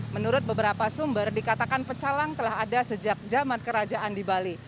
menurut beberapa sumber dikatakan pecalang telah ada sejak zaman kerajaan di bali